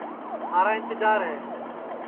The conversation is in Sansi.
تھارا اِنتجار ہے